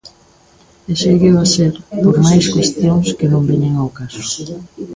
E ségueo a ser por máis cuestións que non veñen ao caso.